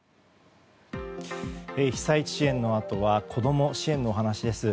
被災地支援のあとは子供支援のお話です。